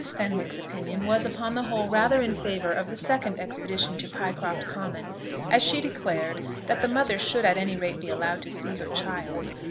Fenwick's opinion was, upon the whole, rather in favour of the second expedition to Pycroft Common, as she declared that the mother should at any rate be allowed to see her child.